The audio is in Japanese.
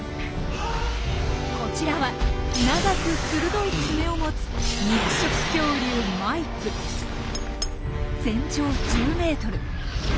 こちらは長く鋭い爪を持つ肉食恐竜全長１０ｍ。